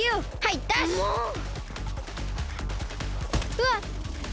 うわっ！